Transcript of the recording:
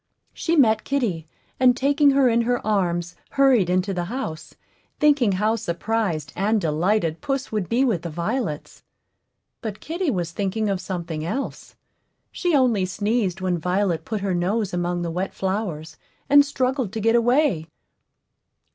She met kitty, and taking her in her arms, hurried into the house, thinking how surprised and delighted puss would be with the violets. But kitty was thinking of something else; she only sneezed when Violet put her nose among the wet flowers, and struggled to get away.